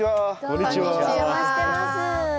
お邪魔してます。